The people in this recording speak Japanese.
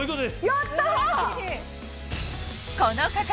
やった！